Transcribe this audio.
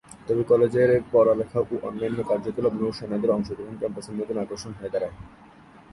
তবে কলেজের পড়ালেখা ও অন্যান্য কার্যকলাপে নৌ-সেনাদের অংশগ্রহণ ক্যাম্পাসের নতুন আকর্ষণ হয়ে দাঁড়ায়।